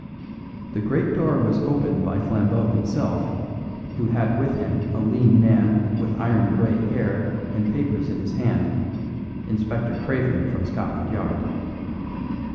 The great door was opened by Flambeau himself, who had with him a lean man with iron grey hair and papers in his hand: Inspector Craven from Scotland Yard.